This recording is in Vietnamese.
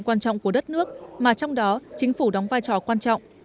quan trọng của đất nước mà trong đó chính phủ đóng vai trò quan trọng